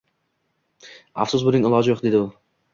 — Afsus, buning iloji yo‘q, — dedi u.